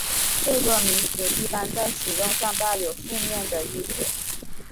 这个名词一般在使用上带有负面的意思。